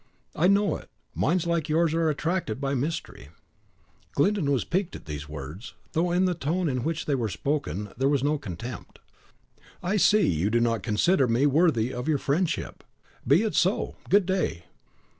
"I know it: minds like yours are attracted by mystery." Glyndon was piqued at these words, though in the tone in which they were spoken there was no contempt. "I see you do not consider me worthy of your friendship. Be it so. Good day!"